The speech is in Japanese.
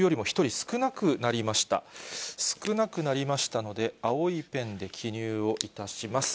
少なくなりましたので、青いペンで記入をいたします。